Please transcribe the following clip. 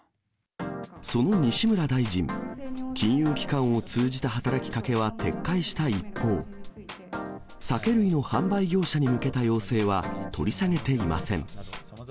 その西村大臣、金融機関を通じた働きかけは撤回した一方、酒類の販売業者に向けた要請は取り下げていません。